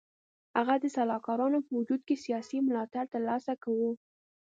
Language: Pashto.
هغه د سلاکارانو په وجود کې سیاسي ملاتړ تر لاسه کاوه.